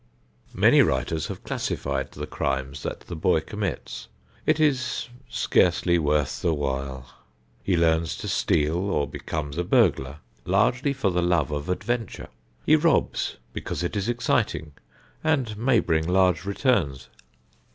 Many writers have classified the crimes that the boy commits. It is scarcely worth the while. He learns to steal or becomes a burglar largely for the love of adventure; he robs because it is exciting and may bring large returns.